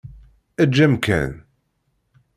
Eǧǧ amkan.